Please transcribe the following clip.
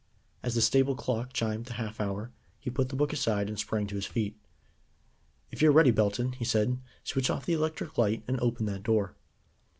As the stable clock chimed the half hour, he put the book aside, and sprang to his feet. "If you're ready, Belton," he said, "switch off the electric light and open that door."